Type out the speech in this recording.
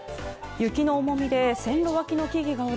雪の重みで線路脇の木々が折れ